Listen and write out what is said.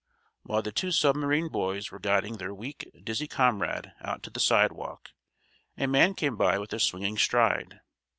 While the two submarine boys were guiding their weak, dizzy comrade out to the sidewalk a man came by with a swinging stride.